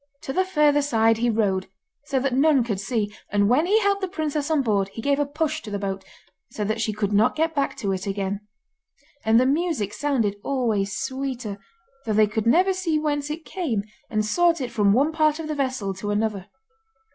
To the further side he rowed, so that none could see, and when he helped the princess on board he gave a push to the boat, so that she could not get back to it again. And the music sounded always sweeter, though they could never see whence it came, and sought it from one part of the vessel to another.